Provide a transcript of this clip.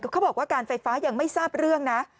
เขาบอกว่าการไฟฟ้ายังไม่ทราบเรื่องนะ